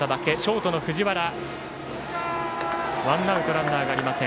ワンアウトランナーがありません。